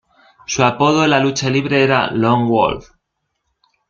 Su apodo en la lucha libre era "Lone Wolf".